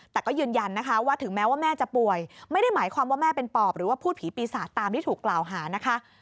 แต่ก็ยืนยันนะคะว่าถึงแม้ว่าแม่จะป่วยไม่ได้หมายความว่าแม่เป็นปอบหรือว่าพูดผีปีศาจตามที่ถูกกล่าวหานะคะ